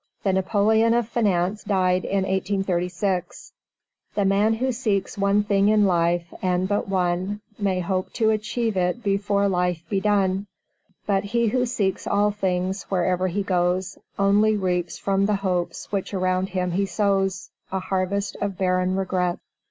This Napoleon of Finance died in 1836. _"The man who seeks one thing in life, and but one, May hope to achieve it before life be done; But he who seeks all things, wherever he goes, Only reaps from the hopes which around him he sows A harvest of barren regrets."